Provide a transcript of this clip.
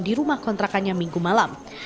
di rumah kontrakannya minggu malam